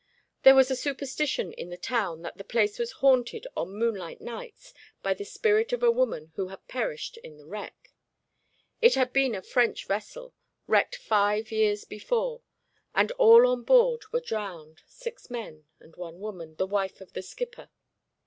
There was a superstition in the town that the place was haunted on moonlight nights by the spirit of a woman who had perished in the wreck. It had been a French vessel, wrecked five years before, and all on board were drowned six men and one woman, the wife of the skipper.